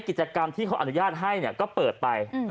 กิจกรรมที่เขาอนุญาตให้ก็เปิดไป